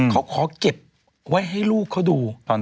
เขาขอเก็บไว้ให้ลูกเขาดู